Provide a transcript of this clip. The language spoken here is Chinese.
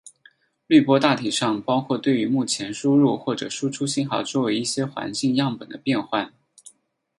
滤波大体上包括对于目前输入或者输出信号周围一些环境样本的变换。